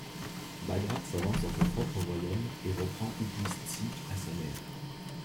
Bagrat s'avance dans son propre royaume et reprend Ouplistsikhe à sa mère.